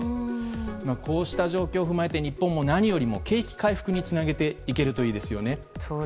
こうした状況を踏まえて日本も何よりも景気回復につなげていけるといいですね。